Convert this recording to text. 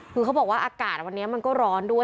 คือเขาบอกว่าอากาศวันนี้มันก็ร้อนด้วย